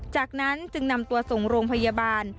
จากนั้นจึงนำตัวส่งโรงพยาบาล